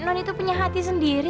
non itu punya hati sendiri